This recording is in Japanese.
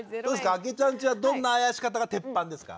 あきえちゃんちはどんなあやし方が鉄板ですか？